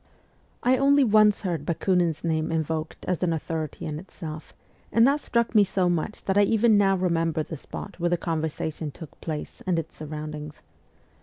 I only once heard Bakunin's name invoked as an autho rity in itself, and that struck me so much that I even now remember the spot where the conversation took place and its surroundings.